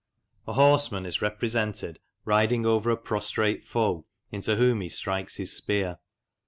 A horseman is represented riding over a prostrate foe, into whom he strikes his spear.